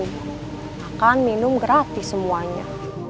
makan minum gratis semuanya